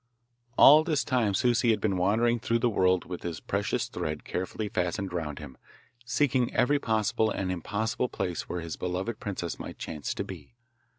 All this time Souci had been wandering through the world with his precious thread carefully fastened round him, seeking every possible and impossible place where his beloved princess might chance to be.